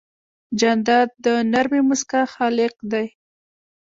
جانداد د نرمې موسکا خالق دی.